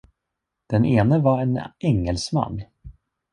Den ene var en engelsman.